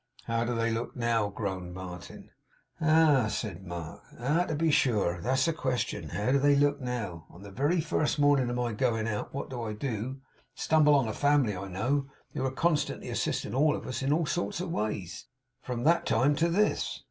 'How do they look now?' groaned Martin. 'Ah!' said Mark, 'Ah, to be sure. That's the question. How do they look now? On the very first morning of my going out, what do I do? Stumble on a family I know, who are constantly assisting of us in all sorts of ways, from that time to this!